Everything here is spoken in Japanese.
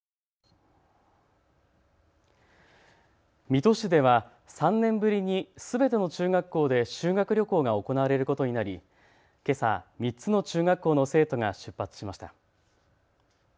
水戸市では３年ぶりにすべての中学校で修学旅行が行われることになりけさ、３つの中学校の生徒が出発しました。